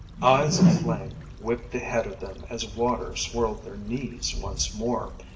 Eyes of flame whipped ahead of them as water swirled their knees once more.